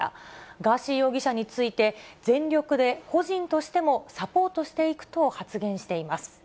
ガーシー容疑者について、全力で個人としてもサポートしていくと発言しています。